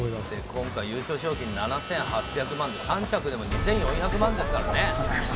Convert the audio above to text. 今回優勝賞金７８００万、３着でも２４００万ですからね。